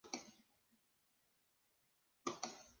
El fallecimiento de Fernando le destruyó a nivel físico y mental.